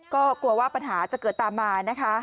ก็กลัวว่าปัญหาจะเกิดตามมานะคะ